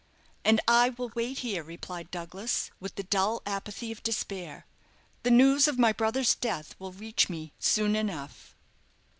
"And I will wait here," replied Douglas, with the dull apathy of despair. "The news of my brother's death will reach me soon enough."